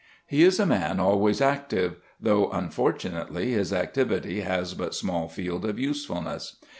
He is a man always active, though unfortunately his activity has but small field of usefulness.